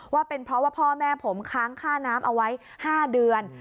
ว่าเป็นเพราะว่าพ่อแม่ผมค้างค่าน้ำเอาไว้๕เดือน